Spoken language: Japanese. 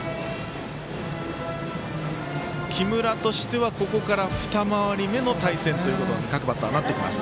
木村としては、ここから２回り目の対戦ということに各バッターなってきます。